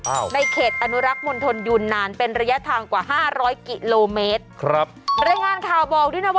อ้าวในเขตอนุรักษ์มนตรยุนนานเป็นระยะทางกว่าห้าร้อยกิโลเมตรครับ